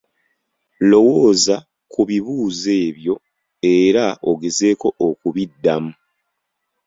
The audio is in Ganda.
Lowooza ku bibuuzo ebyo era ogezeeko okubiddamu.